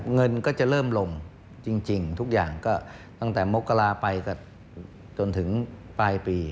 เงินก็จะเริ่มลงจริงตรงแต่มกระลาไปจนถึงปลายปี